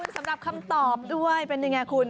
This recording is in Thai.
ขอบคุณสำหรับคำตอบด้วยเป็นอย่างไรคุณ